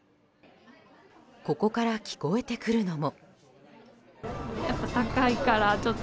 ここから聞こえてくるのも。